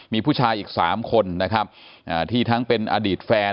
มีผู้ชายอีก๓คนนะครับที่ทั้งเป็นอดีตแฟน